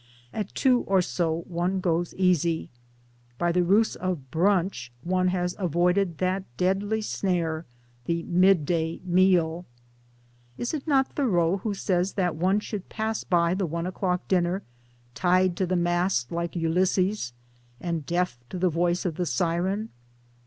At two or so one goes easy. By the ruse of ' brunch ' one has avoided that deadly snare, the midday meal. Is it not Thoreau, who says that one should pass by the one o'clock dinner " tied to the mast, like Ulysses, and deaf to the voice of the Siren